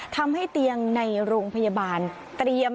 ทำให้เตียงในโรงพยาบาลเตรียม